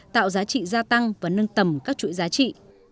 tạo giá trị gia tăng và nâng tầm các chuỗi giá trị